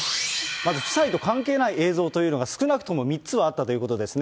まず、夫妻と関係ない映像というのが、少なくとも３つはあったということですね。